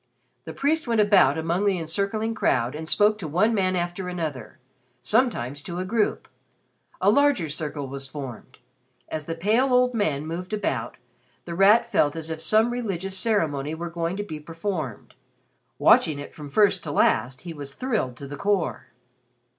The priest went about among the encircling crowd and spoke to one man after another sometimes to a group. A larger circle was formed. As the pale old man moved about, The Rat felt as if some religious ceremony were going to be performed. Watching it from first to last, he was thrilled to the core.